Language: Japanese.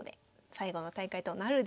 最後の大会となるでしょうか。